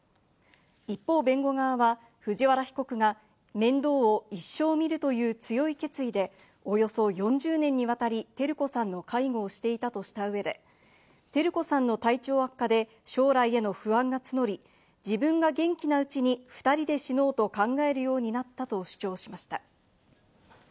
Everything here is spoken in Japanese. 一方、弁護側は藤原被告が面倒を一生見るという強い決意でおよそ４０年にわたり照子さんの介護をしていたとした上で、照子さんの体調悪化で将来への不安が募り、自分が元気なうちに２人で死のうと考えるようになったと主張しました。